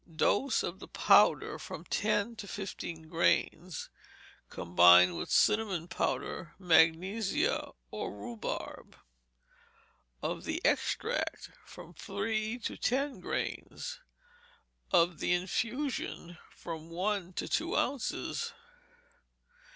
Dose, of the powder, from ten to fifteen grains, combined with cinnamon powder, magnesia, or rhubarb; of the extract, from three to ten grains; of the infusion, from one to two ounces.